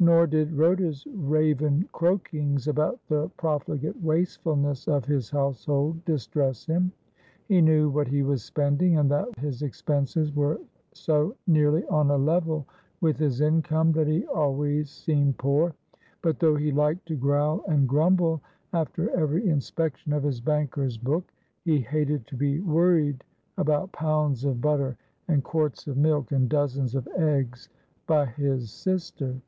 Nor did Rhoda's raven croakings about the pro fligate wastefulness of his household distress him. He knew what he was spending, and that his expenses were so nearly on a level with his income that he always seemed poor : but though he liked to growl and grumble after every inspection of his banker's book, he hated to be worried about pounds of butter, and quarts of milk, and dozens of eggs, by his sister.